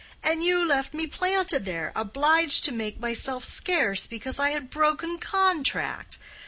And you left me planted there—obliged to make myself scarce because I had broken contract.